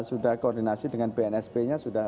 sudah koordinasi dengan bnsp nya sudah